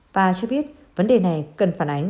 và cho biết vấn đề này cần phản ánh